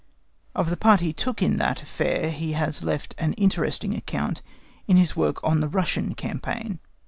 Of the part he took in that affair he has left an interesting account in his work on the "Russian Campaign."